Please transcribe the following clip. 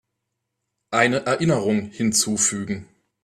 Eine Erinnerung hinzufügen.